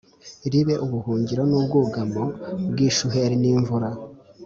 ribe ubuhungiro n’ubwugamo bw’ishuheri n’imvura.